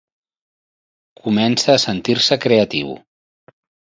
Comença a sentir-se creatiu.